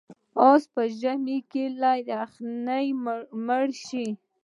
اس په ژمي کې له یخنۍ مړ شو.